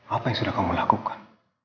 apa yang sudah kamu lakukan